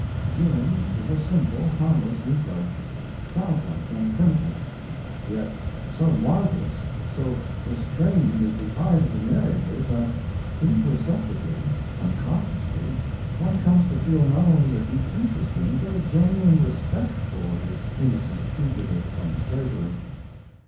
Jim is a simple, harmless negro, childlike and primitive; yet, so marvellous, so restrained is the art of the narrator, that imperceptibly, unconsciously, one comes to feel not only a deep interest in, but a genuine respect for, this innocent fugitive from slavery.